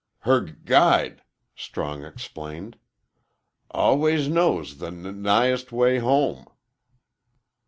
"Her g guide," Strong explained. "Alwus knows the n nighest way home."